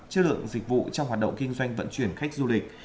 chất lượng dịch vụ trong hoạt động kinh doanh vận chuyển khách du lịch